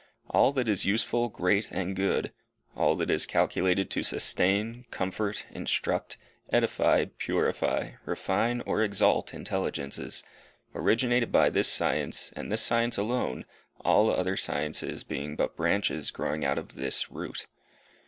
All that is useful, great, and good; all that is calculated to sustain, comfort, instruct, edify, purify, refine, or exalt intelligences; originated by this science, and this science alone, all other sciences being but branches growing out of this root.